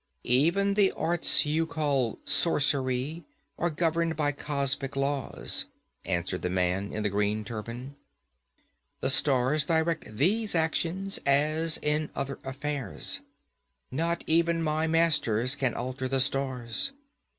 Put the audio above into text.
'Even the arts you call sorcery are governed by cosmic laws,' answered the man in the green turban. 'The stars direct these actions, as in other affairs. Not even my masters can alter the stars.